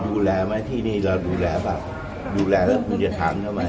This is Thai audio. ดูแลไหมที่นี่เราดูแลเปล่าดูแลแล้วคุณจะถามทำไม